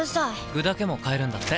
具だけも買えるんだって。